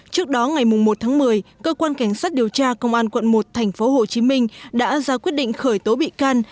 trước đó ngày một tháng một mươi cơ quan cảnh sát điều tra công an quận một tp hcm đã ra quyết định khởi tố bị can